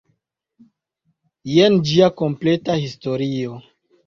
Jen ĝia kompleta historio.